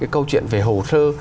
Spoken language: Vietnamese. câu chuyện về hồ sơ